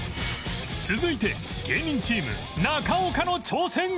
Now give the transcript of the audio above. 続いて芸人チーム中岡の挑戦